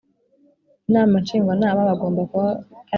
Inama Ngishwanama bagomba kuba ari